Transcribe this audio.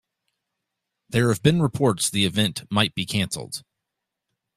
There have been reports the event might be canceled.